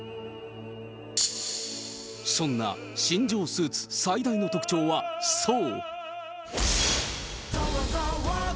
そんな新庄スーツ最大の特徴は、そう。